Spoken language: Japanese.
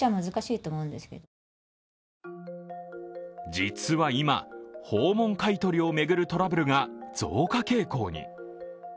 実は今、訪問買い取りを巡るトラブルが増加傾向に。